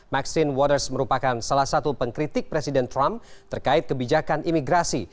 maxin waters merupakan salah satu pengkritik presiden trump terkait kebijakan imigrasi